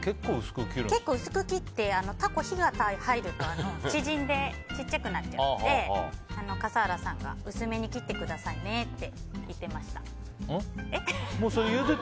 結構薄く切ってタコは火が入ると縮んでちっちゃくなっちゃうので笠原さんが薄めに切ってくださいねってうん？